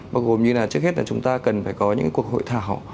bao gồm như là trước hết là chúng ta cần phải có những cuộc hội thảo